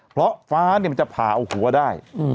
เพราะฟ้ามันจะผ่าเอาหัวได้